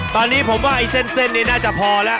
ตอนนี้ผมว่าไอ้เส้นนี้น่าจะพอแล้ว